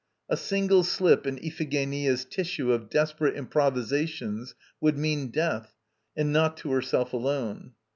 A single slip in Iphigenia's tissue of desperate improvisations would mean death, and not to herself alone.